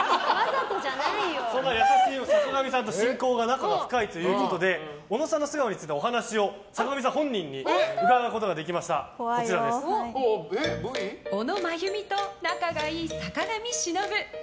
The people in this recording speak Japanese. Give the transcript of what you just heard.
そんな優しい坂上さんと親交が深いということで小野さんの素顔についてお話を坂上さん本人に小野真弓と仲がいい坂上忍。